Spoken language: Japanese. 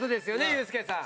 ユースケさん。